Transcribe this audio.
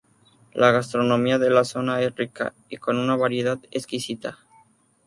La gastronomía de la zona es rica y con una variedad exquisita.